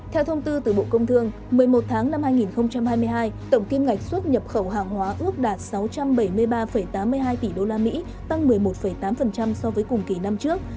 theo thông tư từ bộ công thương một mươi một tháng năm hai nghìn hai mươi hai tổng kim ngạch xuất nhập khẩu hàng hóa ước đạt sáu trăm bảy mươi ba tám mươi hai tỷ usd tăng một mươi một tám so với cùng kỳ năm trước